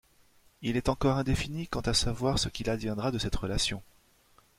Il est encore indéfini quant à savoir ce qu'il adviendra de cette relation.